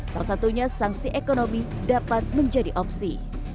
salah satunya sanksi ekonomi dapat menjadi opsi